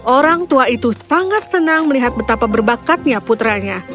orang tua itu sangat senang melihat betapa berbakatnya putranya